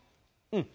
うん。